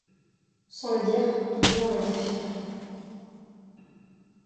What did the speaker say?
Sans le dire, tous deux en étaient fiers.